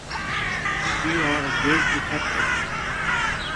You are a good detective.